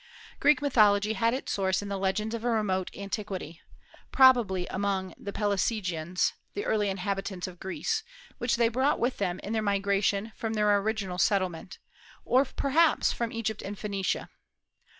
Greek mythology had its source in the legends of a remote antiquity, probably among the Pelasgians, the early inhabitants of Greece, which they brought with them in their migration from their original settlement, or perhaps from Egypt and Phoenicia.